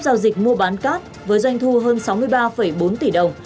hà nội đã bán cát với doanh thu hơn sáu mươi ba bốn tỷ đồng